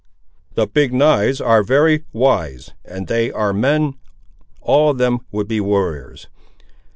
"The Big knives are very wise, and they are men; all of them would be warriors.